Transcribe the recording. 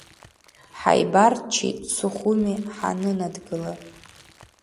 Ҳааибарччеит Сухуми ҳанынадгыла…